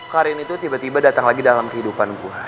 karin itu tiba tiba datang lagi dalam kehidupan gue